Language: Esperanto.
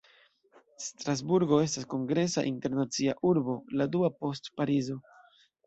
Strasburgo estas kongresa internacia urbo, la dua post Parizo.